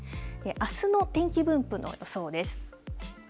あすの天気分布の予想です。